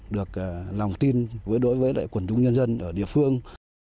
được lòng tin với đối với lại quần chúng nhân dân ở địa phương